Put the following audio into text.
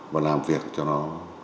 và làm việc cho nó